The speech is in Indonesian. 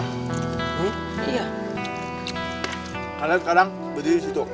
kalian kadang berdiri di situ